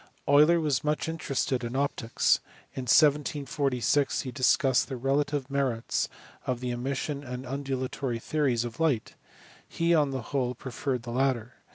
Euler was much interested in optics. In 1746 he discussed the relative merits of the emission and undulatory theories of light; he on the whole preferred the latter.